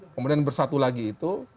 kemudian bersatu lagi itu